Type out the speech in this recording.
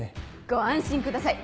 ご安心ください